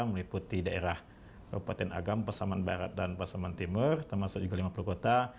meliputi daerah kabupaten agam pasaman barat dan pasaman timur termasuk juga lima puluh kota